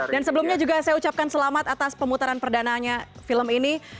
sebelumnya juga saya ucapkan selamat atas pemutaran perdanaannya film ini